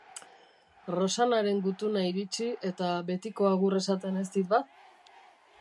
Rosannaren gutuna iritsi, eta betiko agur esaten ez dit ba!